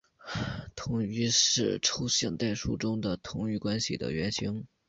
同余是抽象代数中的同余关系的原型。